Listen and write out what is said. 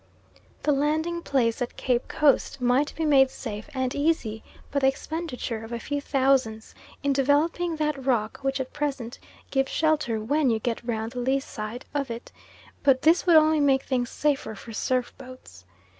The landing place at Cape Coast might be made safe and easy by the expenditure of a few thousands in "developing" that rock which at present gives shelter WHEN you get round the lee side of it, but this would only make things safer for surf boats.